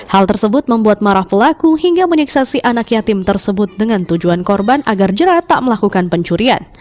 hal tersebut membuat marah pelaku hingga menyiksa si anak yatim tersebut dengan tujuan korban agar jerat tak melakukan pencurian